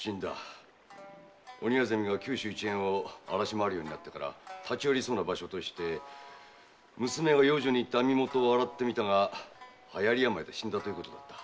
鬼薊が九州一円を荒らし回るようになってから立ち寄りそうな場所として娘が養女にいった網元を洗ってみたが流行病で死んだということだった。